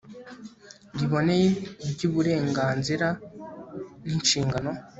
riboneye ry uburenganzira n inshingano